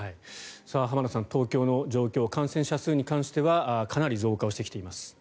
浜田さん、東京の状況感染者数に関してはかなり増加してきています。